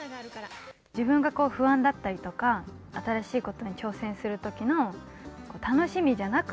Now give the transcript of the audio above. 自分がこう不安だったりとか、新しいことに挑戦するときの楽しみじゃなく、